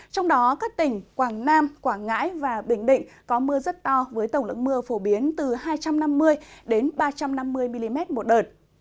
trong đó các tỉnh quảng nam quảng ngãi và bình định có mưa rất to với tổng lượng mưa phổ biến từ hai trăm năm mươi ba trăm năm mươi mm một đợt